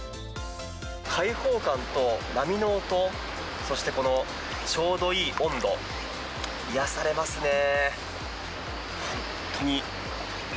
開放感と波の音、そしてこのちょうどいい温度、癒やされますね。